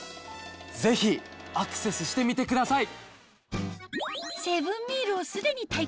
ぜひアクセスしてみてください！